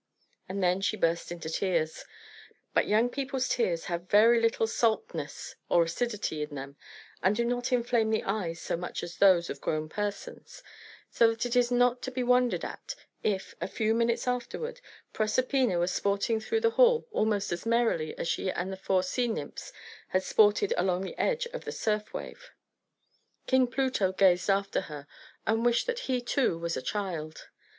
And then she burst into tears. But young people's tears have very little saltness or acidity in them, and do not inflame the eyes so much as those of grown persons; so that it is not to be wondered at if, a few moments afterward, Proserpina was sporting through the hall almost as merrily as she and the four sea nymphs had sported along the edge of the surf wave. King Pluto gazed after her, and wished that he, too, was a child.